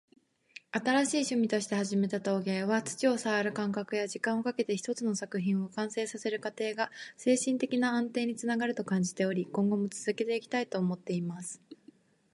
「新しい趣味として始めた陶芸は、土を触る感覚や、時間をかけて一つの作品を完成させる過程が精神的な安定につながると感じており、今後も続けていきたいと思っています。」